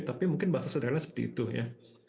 tapi mungkin bahasa sederhana seperti itu ya